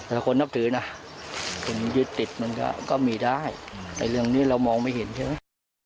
แต่คนนับถือนะคนยึดติดมันก็มีได้แต่เรื่องนี้เรามองไม่เห็นใช่ไหม